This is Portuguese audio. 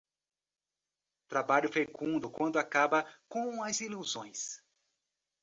trabalho fecundo quando acabar com as ilusões